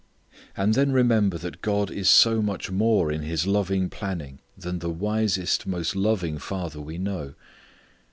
And then remember that God is so much more in His loving planning than the wisest, most loving father we know.